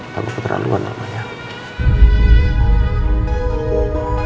kamu keterlaluan namanya